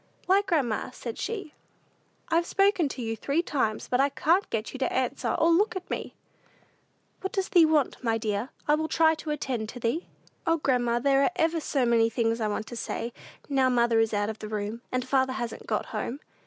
"Why, grandma," said she, "I've spoken to you three times; but I can't get you to answer or look at me." "What does thee want, my dear? I will try to attend to thee." "O, grandma, there are ever so many things I want to say, now mother is out of the room, and father hasn't got home.